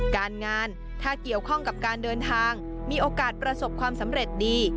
การงานถ้าเกี่ยวข้องกับการเดินทางมีโอกาสประสบความสำเร็จดี